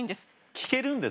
聞けるんですか？